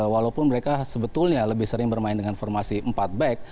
walaupun mereka sebetulnya lebih sering bermain dengan formasi empat back